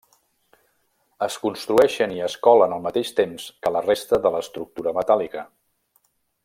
Es construeixen i es colen al mateix temps que la resta de l'estructura metàl·lica.